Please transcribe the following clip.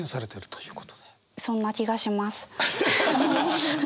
そんな気がします。